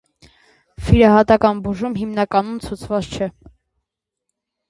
Վիրահատական բուժում հիմնականում ցուցված չէ։